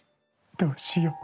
どうしよう。